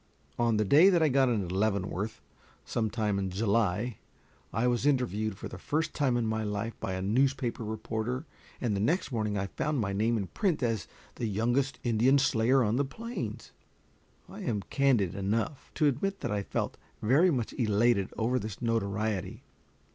On the day that I got into Leavenworth, some time in July, I was interviewed for the first time in my life by a newspaper reporter, and the next morning I found my name in print as "the youngest Indian slayer on the plains." I am candid enough to admit that I felt very much elated over this notoriety.